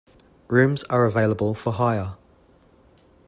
Rooms are available for hire.